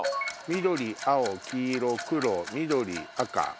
緑青黄色黒緑赤。